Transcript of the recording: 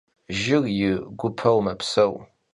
Jır yi gupeu mepseu.